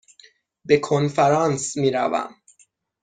به کنفرانس می روم.